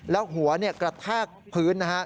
แล้วหัวกระทากพื้น